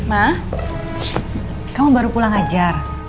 ma kamu baru pulang ajar